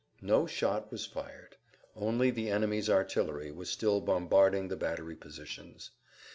No shot was fired. Only the enemy's artillery was still bombarding the battery positions.